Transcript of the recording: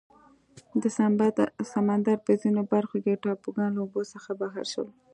د سمندر په ځینو برخو کې ټاپوګان له اوبو څخه بهر شول.